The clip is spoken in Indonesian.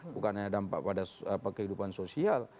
bukan hanya dampak pada kehidupan sosial